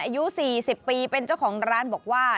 อายุ๔๐ปีเป็นเจ้าของร้านบอกว่า